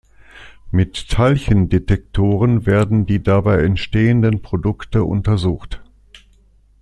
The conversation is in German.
Mit Teilchendetektoren werden die dabei entstehenden Produkte untersucht.